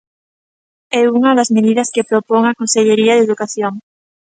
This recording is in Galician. É unha das medidas que propón a Consellería de Educación.